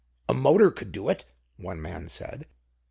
"A motor could do it," one man said.